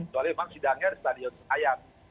soalnya memang sidangnya stadion ayam